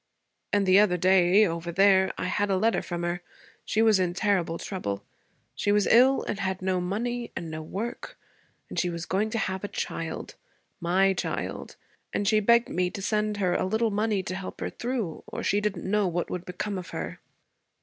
And the other day, over there, I had a letter from her. She was in terrible trouble. She was ill and had no money, and no work. And she was going to have a child my child; and she begged me to send her a little money to help her through, or she didn't know what would become of her.'